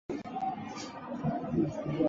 此病传染性并不高。